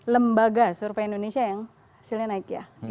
lembaga survei indonesia yang hasilnya naik ya